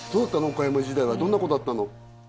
岡山時代はどんな子だったの？